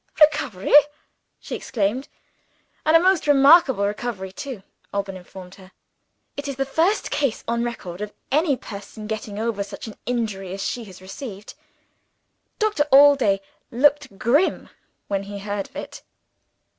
"Recovery!" she exclaimed. "And a most remarkable recovery too," Alban informed her. "It is the first case on record of any person getting over such an injury as she has received. Doctor Allday looked grave when he heard of it.